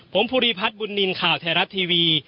ผมภูริพัฒน์บุญนินทร์ข่าวไทยรัฐทีวี